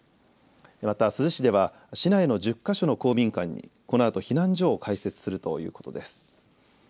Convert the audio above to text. また珠洲市では市内の１０か所の公民館にこのあと避難所を開設するということです。